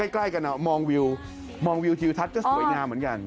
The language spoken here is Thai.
ใกล้กันมองวิวมองวิวทิวทัศน์ก็สวยงามเหมือนกัน